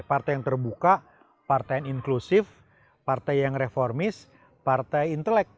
partai yang terbuka partai yang inklusif partai yang reformis partai intelek